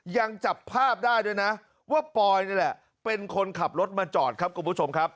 ยังจับภาพได้ด้วยนะว่าปอยนี่แหละเป็นคนขับรถมาจอดครับคุณผู้ชมครับ